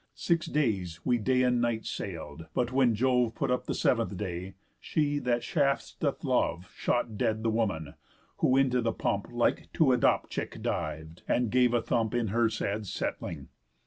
Six days we day and night sail'd; but when Jove Put up the seventh day, She that shafts doth love Shot dead the woman, who into the pump Like to a dop chick div'd, and gave a thump In her sad settling.